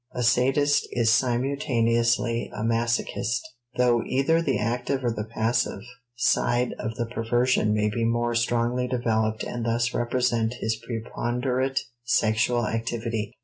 A sadist is simultaneously a masochist, though either the active or the passive side of the perversion may be more strongly developed and thus represent his preponderate sexual activity.